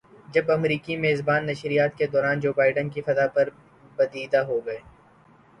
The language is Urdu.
جب امریکی میزبان نشریات کے دوران جو بائیڈن کی فتح پر بدیدہ ہوگئے